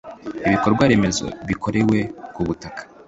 ibikorwaremezo bikorerwa kubutaka